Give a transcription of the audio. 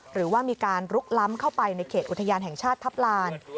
หรือว่ามีการลุกล้ำเข้าไปในเขตอุทยานแห่งชาติทัพลาน